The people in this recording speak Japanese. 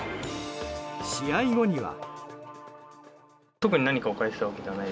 試合後には。